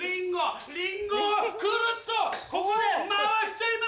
リンゴをクルっとここで回しちゃいます。